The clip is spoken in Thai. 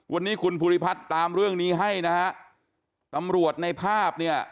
วันนี้คุณภูริพัฒน์ตามเรื่องนี้ให้นะฮะตำรวจในภาพเนี่ย